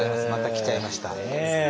また来ちゃいました。